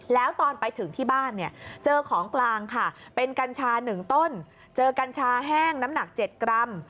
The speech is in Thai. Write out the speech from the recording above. แล้วตอนไปถึงที่บ้านเนี่ยเจอของกลางค่ะเป็นกัญชา๑ต้นเจอกัญชาแห้งน้ำหนัก๗กรัม